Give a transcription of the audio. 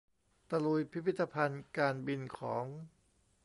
ตะลุยพิพิธภัณฑ์การบินของ